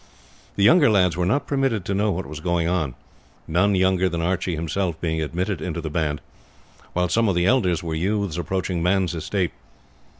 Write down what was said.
The younger lads were not permitted to know what was going on none younger than Archie himself being admitted into the band, while some of the elders were youths approaching man's estate.